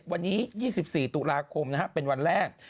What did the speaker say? ผ่านเว็บไซต์วันนี้๒๔ตุลาคมนะครับเป็นวันแรก